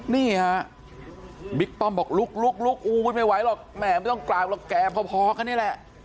นี่ฮะบิ๊กป้อมบอกลุกอู้ยไม่ไหวหรอกแม่ไม่ต้องกราบหรอกแก่พอกันนี่แหละ